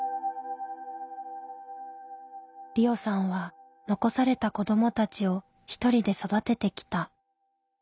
りおさんは残された子どもたちを一人で育ててきた。